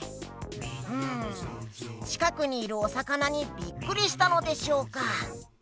うんちかくにいるおさかなにびっくりしたのでしょうか？